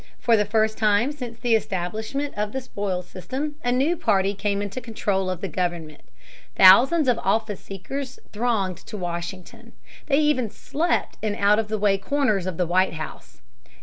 For the first time since the establishment of the Spoils System a new party came into control of the government. Thousands of office seekers thronged to Washington. They even slept in out of the way corners of the White House.